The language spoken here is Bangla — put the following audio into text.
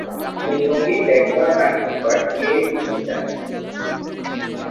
সেই সংগীত দেখবার না শোনবার কে জানে।